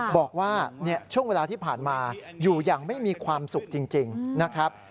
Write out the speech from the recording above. บอกว่าช่วงเวลาที่ผ่านมาอยู่อย่างไม่มีความสุขจริงนะครับ